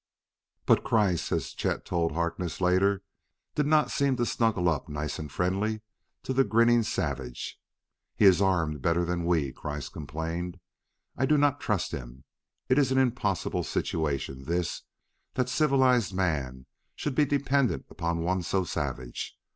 But Herr Kreiss, as Chet told Harkness later, did not seem to "snuggle up nice and friendly" to the grinning savage. "He is armed better than we," Kreiss complained. "I do not trust him. It is an impossible situation, this, that civilized men should be dependent upon one so savage.